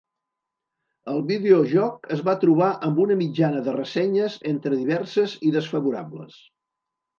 El videojoc es va trobar amb una mitjana de ressenyes entre diverses i desfavorables.